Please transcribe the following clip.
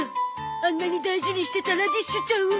あんなに大事にしてたラディッシュちゃんを。